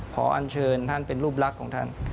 อันเชิญท่านเป็นรูปลักษณ์ของท่าน